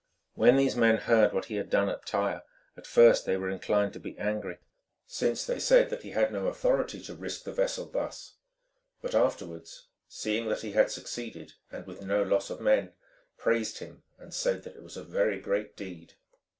When these men heard what he had done at Tyre, at first they were inclined to be angry, since they said that he had no authority to risk the vessel thus, but afterwards, seeing that he had succeeded, and with no loss of men, praised him and said that it was a very great deed.